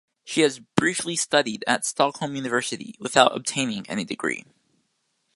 She has briefly studied at Stockholm University, without obtaining any degree.